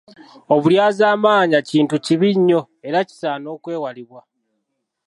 Obulyazaamaanya kintu kibi nnyo era kisaana okwewalibwa.